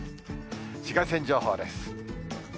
紫外線情報です。